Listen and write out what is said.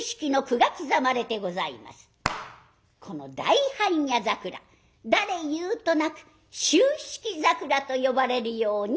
この大般若桜誰言うとなく「秋色桜」と呼ばれるようになりました。